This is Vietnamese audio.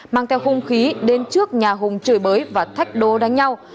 mang theo hung khí đến trước nhà hùng trời bới và thách đô đánh nhau